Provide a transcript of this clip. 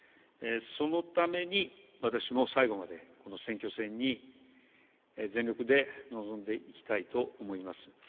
そのために私も最後までこの選挙戦に全力で臨んでいきたいと思います。